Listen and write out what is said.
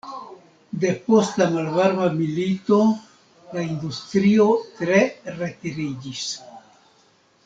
Depost la malvarma milito la industrio tre retiriĝis.